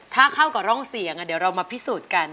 ถ้าเข้ากับร่องเสียงเดี๋ยวเรามาพิสูจน์กัน